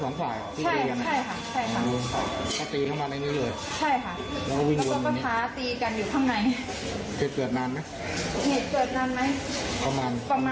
ใช่ค่ะ